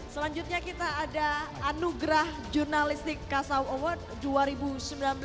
selanjutnya kita ada anugerah jurnalistik kasau award dua ribu sembilan belas